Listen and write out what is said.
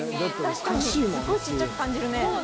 確かにすごい小っちゃく感じるね。